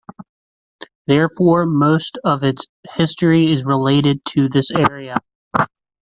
Therefore most of its history is related to this area.